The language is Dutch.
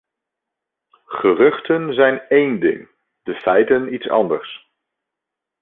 Geruchten zijn één ding, de feiten iets anders.